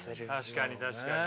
確かに確かに。